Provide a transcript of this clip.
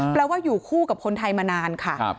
ว่าอยู่คู่กับคนไทยมานานค่ะ